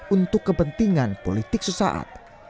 untuk kepentingan politik sesaat